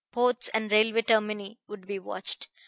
Ports and railway termini would be watched.